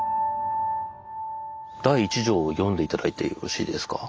第一条を読んで頂いてよろしいですか。